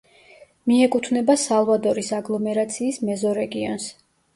მიეკუთვნება სალვადორის აგლომერაციის მეზორეგიონს.